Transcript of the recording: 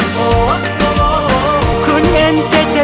itu hanya untuk itu saja